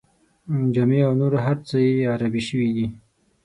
جامې او نور هر څه یې عربي شوي دي.